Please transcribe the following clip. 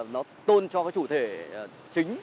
nó tôn cho chủ thể chính